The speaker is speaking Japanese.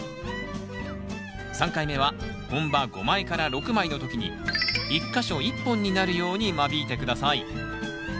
３回目は本葉５枚から６枚の時に１か所１本になるように間引いて下さい。